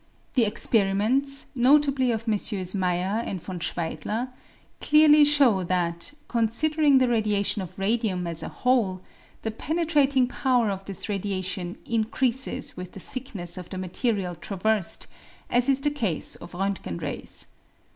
The ex periments, notably of MM. Meyer and von Schweidler, clearly show that, considering the radiation of radium as a whole, the penetrating power of this radiation increases with the thickness of the material traversed, as is the case of R' ntgen rays.